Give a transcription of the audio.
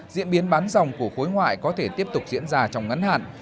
diễn biến bán dòng của khối ngoại có thể tiếp tục diễn ra trong ngắn hạn